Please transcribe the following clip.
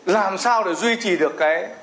làm sao để duy trì được cái